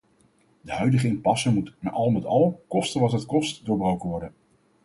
De huidige impasse moet al met al, koste wat het kost, doorbroken worden.